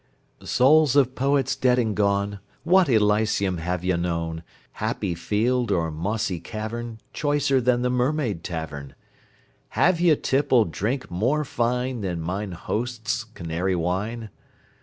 Souls of Poets dead and gone, What Elysium have ye known, Happy field or mossy cavern, Choicer than the Mermaid Tavern? Have ye tippled drink more fine Than mine host's Canary wine?